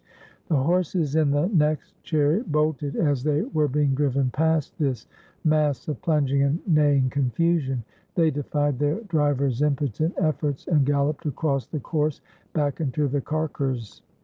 The horses in the next chariot bolted as they were being driven past this mass of plunging and neighing confusion; they defied their driver's impotent efforts and galloped across the course back into the carceres.